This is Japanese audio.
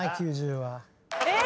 えっ！